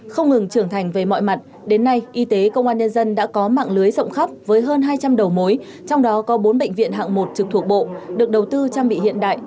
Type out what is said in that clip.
không ngừng trưởng thành về mọi mặt đến nay y tế công an nhân dân đã có mạng lưới rộng khắp với hơn hai trăm linh đầu mối trong đó có bốn bệnh viện hạng một trực thuộc bộ được đầu tư trang bị hiện đại